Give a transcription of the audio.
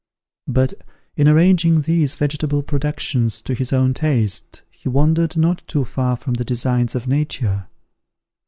But, in arranging these vegetable productions to his own taste, he wandered not too far from the designs of Nature.